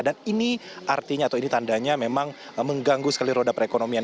dan ini artinya atau ini tandanya memang mengganggu sekali roda perekonomian